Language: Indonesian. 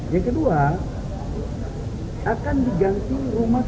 yang kedua akan diganti rumah ip empat puluh lima